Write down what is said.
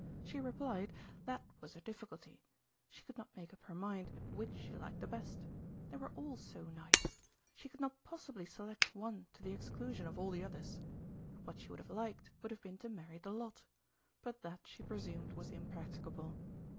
She replied, that was her difficulty; she could not make up her mind which she liked the best. They were all so nice. She could not possibly select one to the exclusion of all the others. What she would have liked would have been to marry the lot; but that, she presumed, was impracticable.